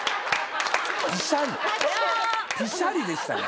ピシャリでしたね・